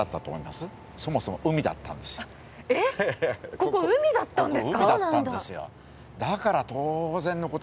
ここ海だったんですか？